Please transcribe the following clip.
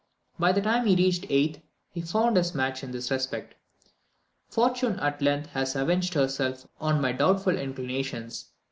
By the time he reached the 8th, he found his match in this respect. "Fortune at length has avenged herself on my doubtful inclinations.